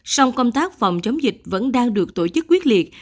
song công tác phòng chống dịch vẫn đang được tổ chức quyết liệt